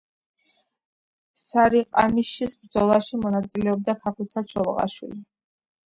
სარიყამიშის ბრძოლაში მონაწილეობდა ქაქუცა ჩოლოყაშვილი.